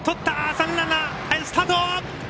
三塁ランナー、スタート。